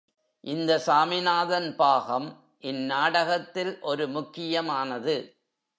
இந்த சாமிநாதன் பாகம் இந்நாடகத்தில் ஒரு முக்கியமானது.